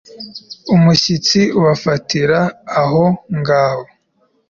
umushyitsi ubafatira aho ngaho